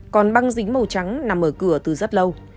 còn băng dính màu trắng nằm ở cửa từ rất lâu